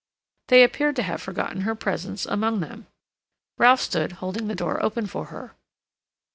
They appeared to have forgotten her presence among them. Ralph stood holding the door open for her.